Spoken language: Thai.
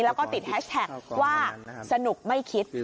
แล้วก็ติดแฮชแท็กว่าสนุกไม่คิด